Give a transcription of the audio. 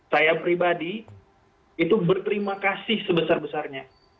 saya pribadi itu berterima kasih sebesar besarnya